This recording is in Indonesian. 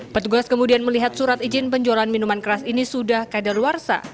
petugas kemudian melihat surat izin penjualan minuman keras ini sudah kadaluarsa